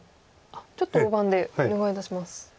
ちょっと大盤でお願いいたします。